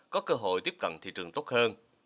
có cơ hội tiếp cận thị trường tốt hơn